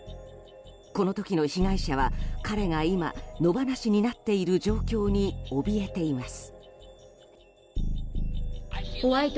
この時の被害者は彼が今、野放しになっている状況に怯えています。